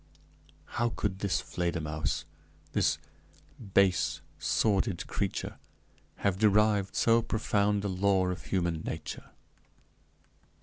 How could this Fledermausse, this base, sordid creature, have derived so profound a law of human nature?